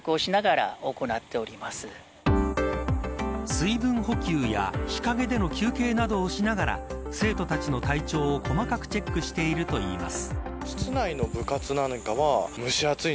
水分補給や日陰での休憩などをしながら生徒たちの体調を、細かくチェックしているといいます。